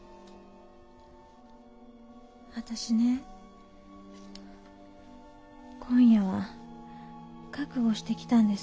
私ね今夜は覚悟して来たんですよ。